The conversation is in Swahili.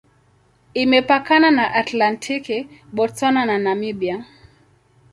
Imepakana na Atlantiki, Botswana na Namibia.